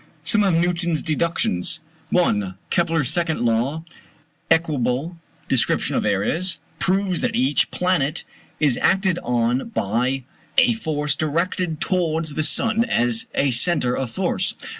SOME OF NEWTON'S DEDUCTIONS. 1. Kepler's second law (equable description of areas) proves that each planet is acted on by a force directed towards the sun as a centre of force.